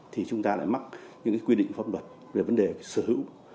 thì chúng ta lại mắc những quy định pháp luật về vấn đề sở hữu